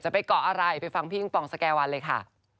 ไปเกาะอะไรไปฟังพี่อิงปองสแกวันเลยค่ะ